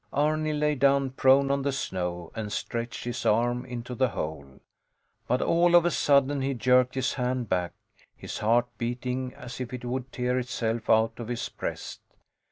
Arni lay down prone on the snow and stretched his arm into the hole. But all of a sudden he jerked his hand back, his heart beating as if it would tear itself out of his breast.